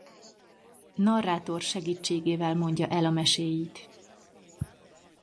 Narrátor segítségével mondja el a meséit.